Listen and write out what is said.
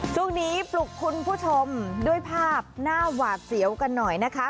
ช่วงนี้ปลุกคุณผู้ชมด้วยภาพหน้าหวาดเสียวกันหน่อยนะคะ